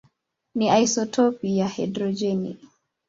ni isotopi ya hidrojeni.